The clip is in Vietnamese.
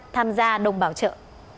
tham gia đồng bảo trợ